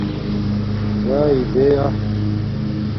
چاݵے دیں یا